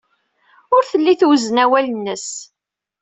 Ur telli twezzen awal-nnes.